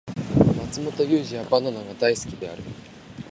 マツモトユウジはバナナが大好きである